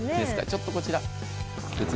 ちょっとこちら。